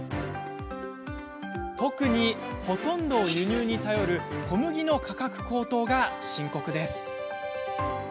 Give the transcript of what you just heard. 特に、ほとんどを輸入に頼る小麦の価格高騰が特に深刻です。